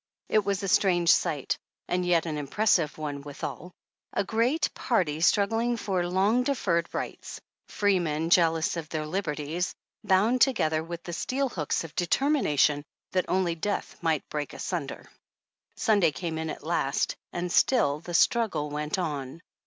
It was a strange sight, and yet an impressive one withal — a great party struggling for long deferred rights — freemen jealous of their liberties, bound to gether with the vSteel hooks of determination that only death might break asunder. Sunday came in at last, and still the struggle went on.